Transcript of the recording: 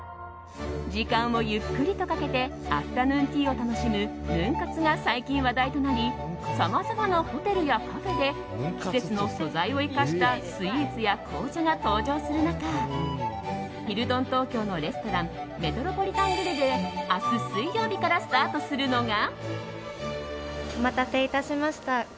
時間をゆっくりとかけてアフタヌーンティーを楽しむヌン活が最近話題となりさまざまなホテルやカフェで季節の素材を生かしたスイーツや紅茶が登場する中ヒルトン東京のレストランメトロポリタングリルで明日、水曜日からスタートするのが。